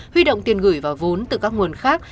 huy động tiền gửi và vốn từ các nguồn khác